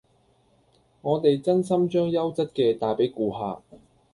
我哋真心將優質嘅帶俾顧客